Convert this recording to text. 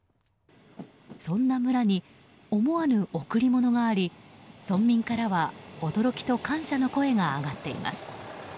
そんな村に思わぬ贈り物があり村民からは驚きと感謝の声が上がっています。